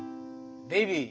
ベイビー！